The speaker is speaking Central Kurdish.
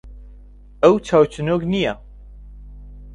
ئەو چاوچنۆک نییە.